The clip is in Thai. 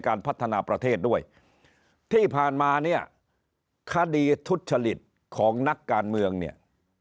พัฒนาประเทศด้วยที่ผ่านมาเนี่ยคดีทุจจริตของนักการเมืองเนี่ย